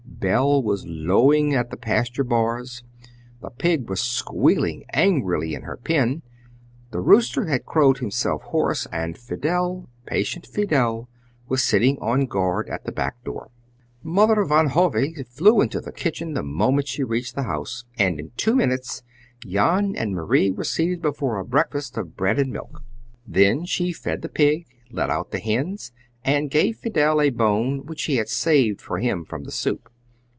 Bel was lowing at the pasture bars, the pig was squealing angrily in her pen, the rooster had crowed himself hoarse, and Fidel, patient Fidel, was sitting on guard at the back door. Mother Van Hove flew into the kitchen the moment she reached the house, and in two minutes Jan and Marie were seated before a breakfast of bread and milk. Then she fed the pig, let out the hens, and gave Fidel a bone which she had saved for him from the soup.